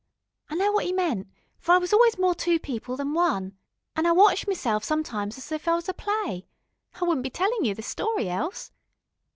I know what 'e meant, for I was always more two people than one, an' I watch meself sometimes as if I was a play. I wouldn't be tellin' you this story, else.